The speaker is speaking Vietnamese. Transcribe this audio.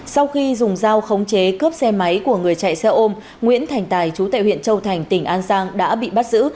sau khi dùng dao khống chế cướp xe máy của người chạy xe ôm nguyễn thành tài chú tệ huyện châu thành tỉnh an giang đã bị bắt giữ